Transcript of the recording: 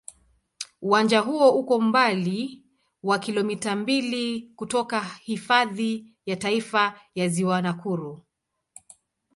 Uwanja huo uko umbali wa kilomita mbili kutoka Hifadhi ya Taifa ya Ziwa Nakuru.